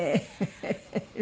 フフフフ！